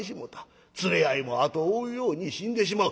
連れ合いも後を追うように死んでしまう。